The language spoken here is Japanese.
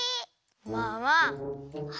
まあまあ。